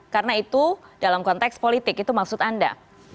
karena itu dalam konteks politik itu maksud anda